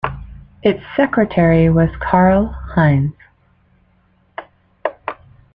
Its secretary was Karl Heinz.